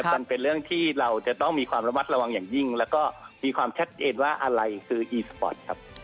มันเป็นเรื่องที่เราจะต้องมีความระมัดระวังอย่างยิ่งแล้วก็มีความชัดเจนว่าอะไรคืออีสปอร์ตครับ